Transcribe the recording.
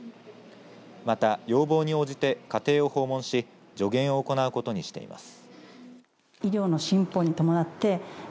また要望に応じて家庭を訪問し助言を行うことにしています。